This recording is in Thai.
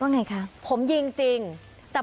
สวัสดีครับ